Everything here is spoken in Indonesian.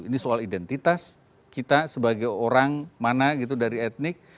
ini soal identitas kita sebagai orang mana gitu dari etnik